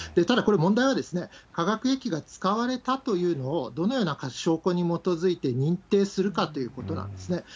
ただ、これ問題は、化学兵器が使われたというのを、どのような証拠に基づいて認定するかということなんですね。